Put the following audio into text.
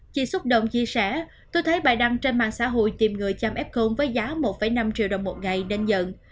chị xúc động chia sẻ tôi thấy bài đăng trên mạng xã hội tìm người chăm f với giá một năm triệu đồng một ngày nên giận